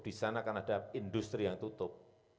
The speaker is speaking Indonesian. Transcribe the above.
di sana akan ada industri yang tutup